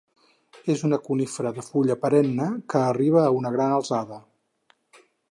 És una conífera de fulla perenne que arriba a una gran alçada.